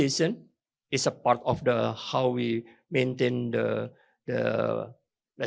adalah bagian dari cara kita menjaga